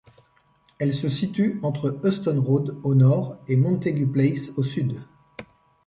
Elle se situe entre Euston Road au Nord et Montague Place au Sud.